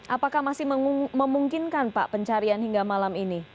apakah masih memungkinkan pak pencarian hingga malam ini